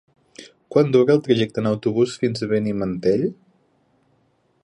Quant dura el trajecte en autobús fins a Benimantell?